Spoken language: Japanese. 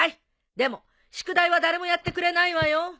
でも宿題は誰もやってくれないわよ。